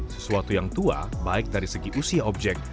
sesuatu yang tua baik dari segi usia objek